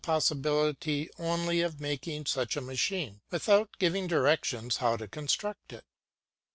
21 possibility only of making such a machine, without giving directions how to construct it.